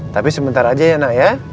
tapi sementara aja ya na ya